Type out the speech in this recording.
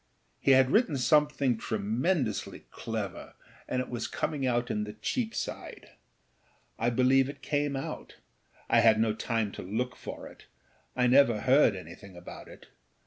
He had written something tremendously clever, and it was coming out in the Cheapside. I believe it came out; I had no time to look for it; I never heard anything about it.